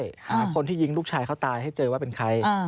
หาคนที่ยิงลูกชายเขาตายให้เจอว่าเป็นใคร